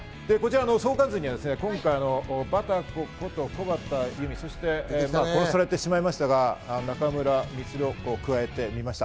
相関図には、バタコこと木幡由実、そして殺されてしまいましたが中村充を加えてみました。